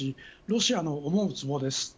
ロシアの思うつぼです。